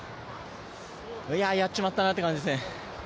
やっちまったなって感じですね。